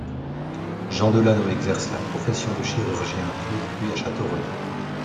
Jean Delaneau exerce la profession de chirurgien à Tours puis à Château-Renault.